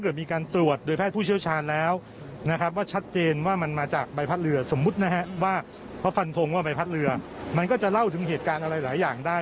สมมุตินะฮะว่าเพราะฟันทงว่าใบพัดเรือมันก็จะเล่าถึงเหตุการณ์อะไรหลายอย่างได้